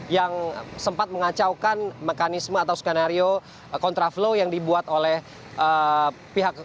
yang sempat mengacaukan mekanisme atau skenario kontraflow yang dibuat oleh pihak